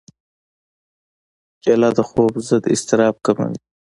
کېله د خوب ضد اضطراب کموي.